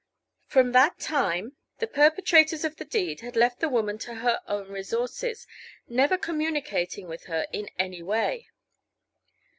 From that time the perpetrators of the deed had left the woman to her own resources, never communicating with her in any way.